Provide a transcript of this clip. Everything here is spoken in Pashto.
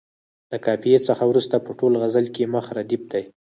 د قافیې څخه وروسته په ټول غزل کې مخ ردیف دی.